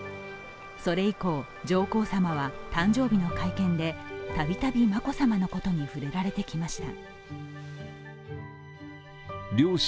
それ以降、上皇さまは誕生日の会見でたびたび眞子さまのことに触れられてきました。